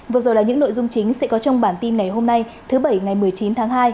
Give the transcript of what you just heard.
vừa rồi là những nội dung chính sẽ có trong bản tin ngày hôm nay thứ bảy ngày một mươi chín tháng hai